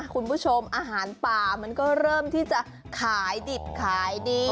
คุณผู้ชมอาหารป่ามันก็เริ่มที่จะขายดิบขายดี